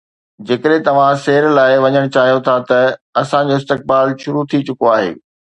جيڪڏهن توهان سير لاءِ وڃڻ چاهيو ٿا ته اسان جو استقبال شروع ٿي چڪو آهي